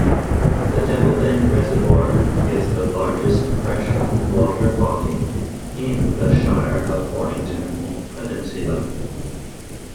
The Devilbend Reservoir is the largest freshwater body in the Shire of Mornington Peninsula.